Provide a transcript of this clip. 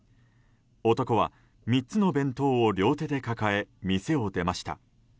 男は３つの弁当を両手で抱え店を出ました。